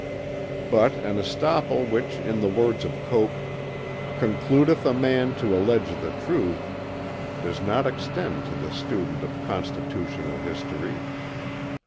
But an estoppel which in the words of Coke, "concludeth a man to alleage the truth" does not extend to the student of Constitutional history.